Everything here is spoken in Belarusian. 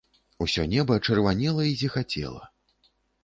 Усё неба чырванела і зіхацела.